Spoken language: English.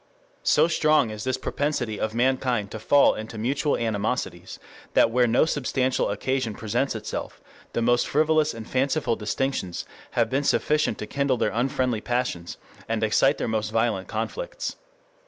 So strong is this propensity of mankind to fall into mutual animosities, that where no substantial occasion presents itself, the most frivolous and fanciful distinctions have been sufficient to kindle their unfriendly passions and excite their most violent conflicts.